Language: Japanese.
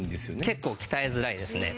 結構鍛えづらいですね。